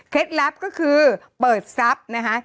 ลับก็คือเปิดทรัพย์นะคะ